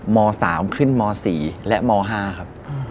ม๓ขึ้นม๔และม๕ครับ